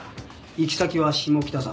行き先は下北沢。